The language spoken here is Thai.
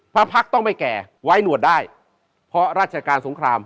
พักต้องไม่แก่ไว้หนวดได้เพราะราชการสงคราม